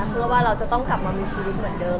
เพื่อว่าเราจะต้องกลับมามีชีวิตเหมือนเดิม